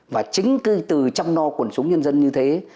và chính từ chăm no quận chủ nhân dân như thế